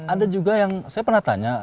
ada juga yang saya pernah tanya